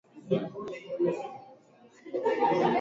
Historia yake yote iliona tena na tena vipindi vya njaa